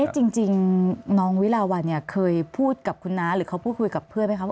จริงน้องวิลาวันเคยพูดกับคุณน้าหรือเขาพูดคุยกับเพื่อนไหมคะ